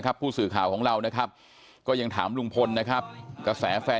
ผู้สื่อข่าวของเรานะครับก็ยังถามลุงพลนะครับกระแสแฟน